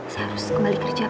saya harus kembali kerja